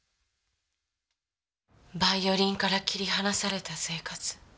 ヴァイオリンから切り離された生活。